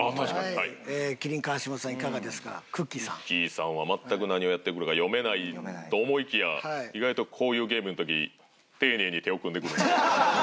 さんは全く何をやってくるか読めないと思いきや意外とこういうゲームの時丁寧に手を組んでくるんで。